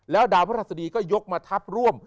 ดาวพระราชดีก็ยกมาทับร่วม